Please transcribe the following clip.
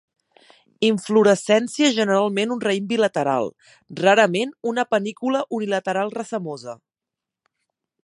Inflorescència generalment un raïm bilateral, rarament una panícula unilateral racemosa.